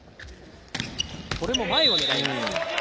これも前を狙います。